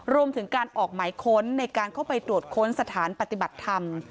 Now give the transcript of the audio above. รวมถึงการออกหมายค้นในการเข้าไปตรวจค้นสถานปฏิบัติธรรม